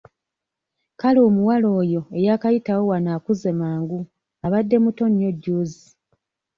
Kale omuwala oyo eyaakayitawo wano akuze mangu abadde muto nnyo jjuuzi.